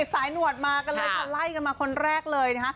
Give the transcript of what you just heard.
สายหนวดมากันเลยค่ะไล่กันมาคนแรกเลย